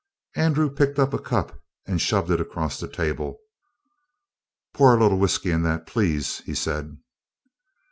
Andrew picked up a cup and shoved it across the table. "Pour a little whisky in that, please," he said.